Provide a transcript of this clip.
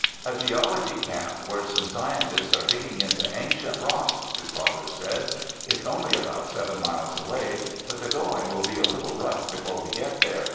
"A geology camp where some scientists are digging into ancient rocks," his father said. "It's only about seven miles away, but the going will be a little rough before we get there.